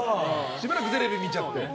しばらくテレビ見ちゃって。